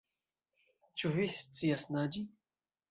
Ĉu vi scias naĝi?